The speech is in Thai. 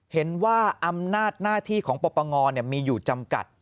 เห็นว่าอำนาจหน้าที่ของปปงมีอยู่จำกัด